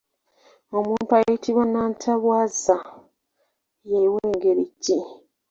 Omuntu ayitibwa “Nnantabwaza” ye w'engeri ki?